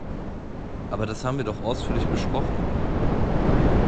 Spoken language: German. Aber das haben wir doch ausführlich besprochen!